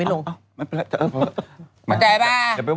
หมายถึงตัวเองไม่ลง